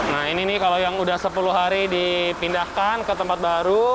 nah ini nih kalau yang udah sepuluh hari dipindahkan ke tempat baru